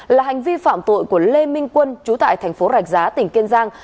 là hành vi phạm tội của lê minh quân chú tại thành phố rạch giá tỉnh kiên giang